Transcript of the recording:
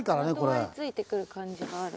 まとわりついてくる感じがある。